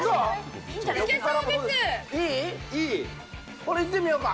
これいってみようか。